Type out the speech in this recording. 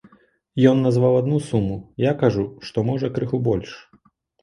Ён назваў адну суму, я кажу, што, можа, крыху больш.